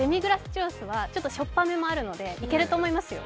チュロスはちょっとしょっぱめもあるのでいけると思いますよ。